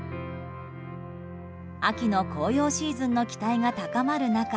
秋の紅葉シーズンの期待が高まる中